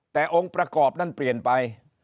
แต่องค์ประกอบนั้นเปลี่ยนไป